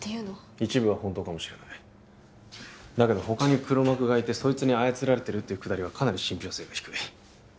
一部は本当かもしれないだけど他に黒幕がいてそいつに操られてるっていうくだりはかなり信ぴょう性が低い